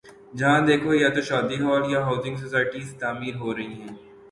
جہاں دیکھو یا تو شادی ہال یا ہاؤسنگ سوسائٹیاں تعمیر ہو رہی ہیں۔